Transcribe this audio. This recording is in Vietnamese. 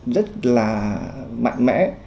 rất là mạnh mẽ